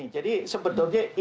jadi sebetulnya ini